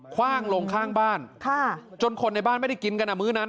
ว่างลงข้างบ้านจนคนในบ้านไม่ได้กินกันอ่ะมื้อนั้น